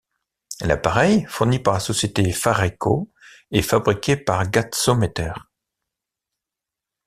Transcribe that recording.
L’appareil, fourni par la société Fareco est fabriqué par Gatsometer.